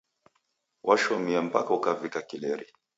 Washomie mpaka ukavikia kileri.